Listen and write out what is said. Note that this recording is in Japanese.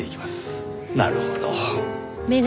なるほど。